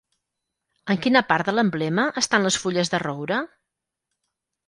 En quina part de l'emblema estan les fulles de roure?